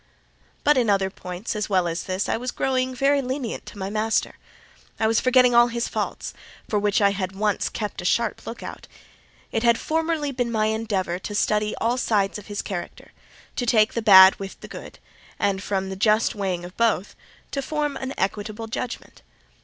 But in other points, as well as this, I was growing very lenient to my master: I was forgetting all his faults, for which I had once kept a sharp look out. It had formerly been my endeavour to study all sides of his character: to take the bad with the good; and from the just weighing of both, to form an equitable judgment.